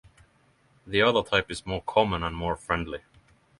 The other type is more common and more friendly.